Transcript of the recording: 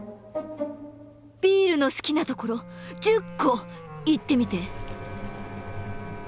ビールの好きなところ１０個言ってみて！